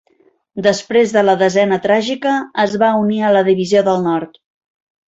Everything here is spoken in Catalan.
Després de la desena tràgica es va unir a la Divisió del Nord.